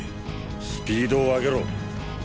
スピードを上げろ！